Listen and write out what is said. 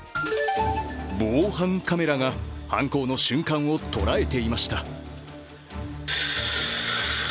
防犯カメラが犯行の瞬間を捉えていました。